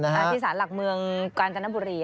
ที่สารหลักเมืองกาญจนบุรี